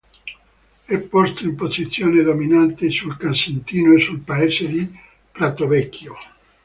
È posto in posizione dominate sul Casentino e sul paese di Pratovecchio.